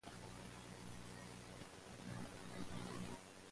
The plans have since been discontinued.